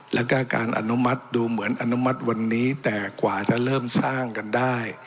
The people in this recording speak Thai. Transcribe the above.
แล้วก็การอนุมัติดูเหมือนอนุมัติวันนี้แต่กว่าจะเริ่มสร้างกันได้